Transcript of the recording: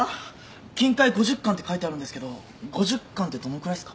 「金塊五十貫」って書いてあるんですけど五十貫ってどのくらいっすか？